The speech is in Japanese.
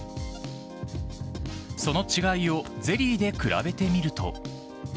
その違いをゼリーで比べてみると。